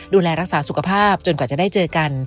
ดูแลรักษาสุขภาพจนกว่าจะได้เจอกัน